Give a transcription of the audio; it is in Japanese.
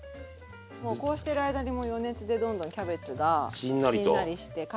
もうこうしてる間にも余熱でどんどんキャベツがしんなりしてしんなりと。